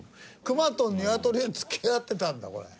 熊とニワトリが付き合ってたんだこれ。